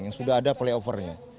yang sudah ada play overnya